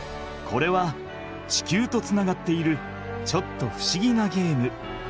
これは地球とつながっているちょっとふしぎなゲーム。